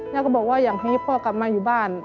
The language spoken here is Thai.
แล้วก็บอกว่าอยากให้พ่อกลับมาอยู่บ้าน